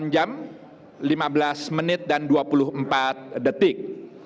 enam jam lima belas menit dan dua puluh empat detik